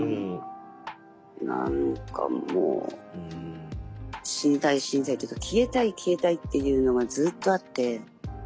何かもう死にたい死にたいっていうか消えたい消えたいっていうのがずっとあって。